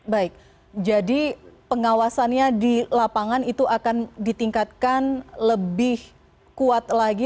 baik jadi pengawasannya di lapangan itu akan ditingkatkan lebih kuat lagi